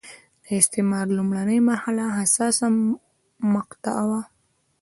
د استعمار لومړنۍ مرحله حساسه مقطعه وه.